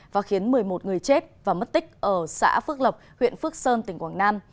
và khiến một mươi một người chết và mất tích ở xã phước lộc huyện phước sơn tỉnh quảng nam